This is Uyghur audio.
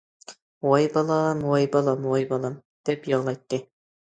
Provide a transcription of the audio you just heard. « ۋاي بالام، ۋاي بالام، ۋاي بالام» دەپ يىغلايتتى.